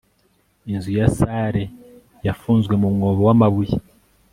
Inzu ya salle yafunzwe mu mwobo wamabuye